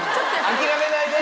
諦めないで！